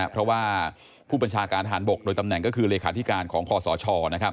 เพราะว่าผู้บัญชาการทหารบกโดยตำแหน่งก็คือเลขาธิการของคอสช